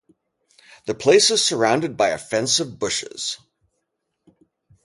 The place is surrounded by a fence of bushes.